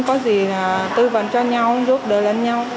có gì là tư vấn cho nhau giúp đỡ lẫn nhau